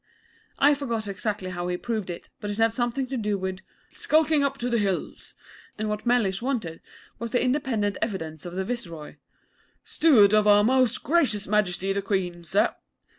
I forget exactly how he proved it, but it had something to do with 'skulking up to the Hills'; and what Mellish wanted was the independent evidence of the Viceroy 'Steward of our Most Gracious Majesty the Queen, Sir.'